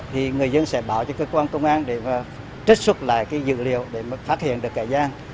thì người dân sẽ bảo cho cơ quan công an để trích xuất lại dữ liệu để phát hiện được cải gian